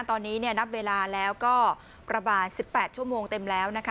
ตอนนี้เนี่ยนับเวลาแล้วก็ประบาทสิบแปดชั่วโมงเต็มแล้วนะคะ